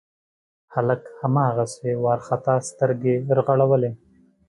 هلک هماغسې وارخطا سترګې رغړولې.